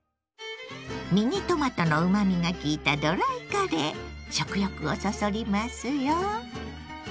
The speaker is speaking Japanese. ミニトマトのうまみが効いた食欲をそそりますよ。